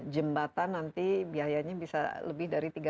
jembatan nanti biayanya bisa lebih dari tiga belas triliun ya